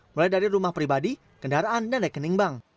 mulai dari rumah pribadi kendaraan dan rekening bank